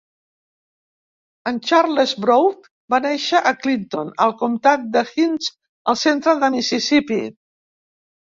En Charles Brough va néixer a Clinton, al comptat de Hinds al centre de Mississipí.